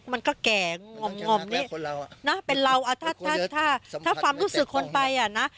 มันก็แก่หง่อหง่อมนี้น่ะเป็นเราอ่ะถ้าถ้าถ้าถ้าความรู้สึกคนไปอ่ะน่ะ